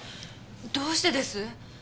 どうしてです？